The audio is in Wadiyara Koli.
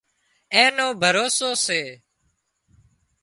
اين نو ڀروسو سي